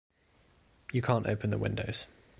You can't open the windows.